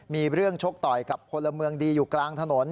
มีเรื่องชกต่อยกับพลเมืองดีอยู่กลางถนน